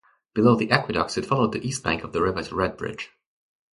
Below the aqueducts, it followed the east bank of the river to Redbridge.